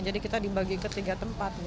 jadi kita dibagi ke tiga tempat